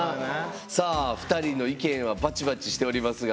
さあ２人の意見はバチバチしておりますが。